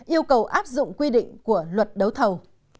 yêu cầu áp dụng quy định của luật đấu thầu